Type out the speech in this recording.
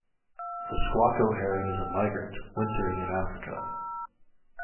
The squacco heron is a migrant, wintering in Africa.